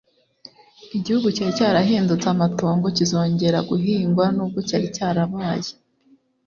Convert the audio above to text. igihugu cyari cyarahindutse amatongo kizongera guhingwa nubwo cyari cyarabaye